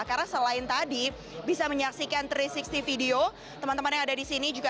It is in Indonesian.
karena selain tadi bisa menyaksikan tiga ratus enam puluh video teman teman yang ada di sini juga